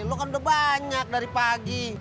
lo kan udah banyak dari pagi